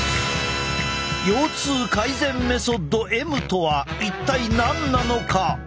「腰痛改善メソッドＭ」とは一体何なのか？